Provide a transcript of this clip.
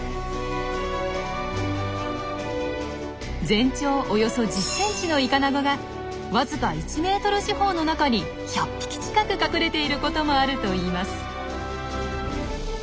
全長およそ１０ｃｍのイカナゴがわずか１ｍ四方の中に１００匹近く隠れていることもあるといいます。